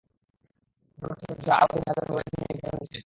তিনি পরবর্তী পাঁচ বছরে আরও তিন হাজার মিডওয়াইফ নিয়োগ দেওয়ার নির্দেশ দিয়েছেন।